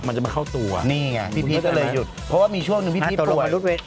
นี่ไงพี่พีชก็เลยหยุดเพราะว่ามีช่วงหนึ่งพี่พีชป่วย